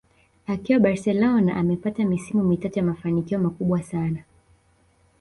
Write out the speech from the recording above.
Akiwa Barcelona amepata misimu mitatu ya mafanikio makubwa sana